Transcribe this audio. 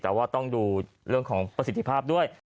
แต่ว่าต้องดูเรื่องของประสิทธิภาพด้วย